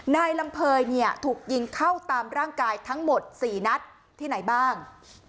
นายลำเภยเนี่ยถูกยิงเข้าตามร่างกายทั้งหมด๔นัดที่ไหนบ้าง